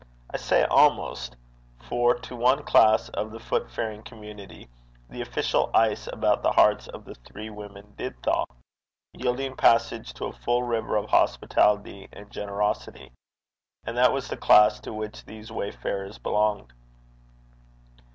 I say almost, for to one class of the footfaring community the official ice about the hearts of the three women did thaw, yielding passage to a full river of hospitality and generosity; and that was the class to which these wayfarers belonged.